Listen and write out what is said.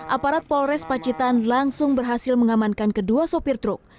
aparat polres pacitan langsung berhasil mengamankan kedua sopir truk